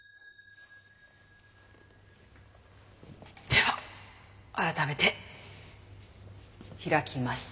では改めて開きます。